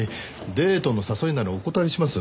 デートの誘いならお断りします。